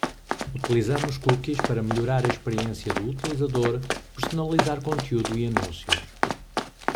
Utilizamos cookies para melhorar a experiência do utilizador, personalizar conteúdo e anúncios.